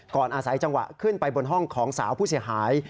อาศัยจังหวะขึ้นไปบนห้องของสาวผู้เสียหาย